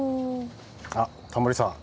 あっタモリさん。